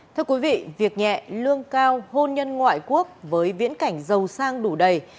thưa quý vị việc nhẹ lương cao hôn nhân ngoại quốc với viễn cảnh giàu sang đủ đầy